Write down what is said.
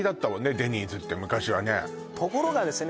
デニーズって昔はねところがですね